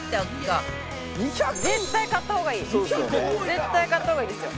絶対買った方がいいですよ。